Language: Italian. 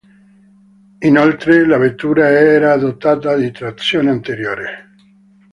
Inoltre, la vettura era dotata di trazione anteriore.